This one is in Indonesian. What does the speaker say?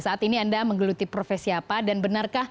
saat ini anda menggeluti profesi apa